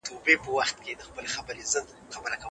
ملکیت د انسان د ژوند حق دی.